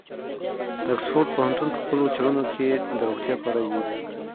د اکسفورډ پوهنتون په خپلو څېړنو کې د روغتیا په اړه ویلي.